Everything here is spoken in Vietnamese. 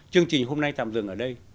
chương trình hôm nay tạm dừng ở đây